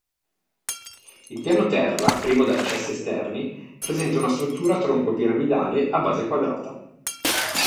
Il piano terra, privo da accessi esterni, presenta una struttura tronco-piramidale a base quadrata.